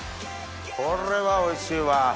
これはおいしいわ。